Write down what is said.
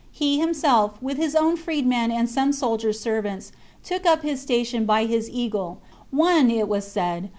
He himself, with his own freed men and some soldiers' servants,, took up his station by his eagle ; one, it was said.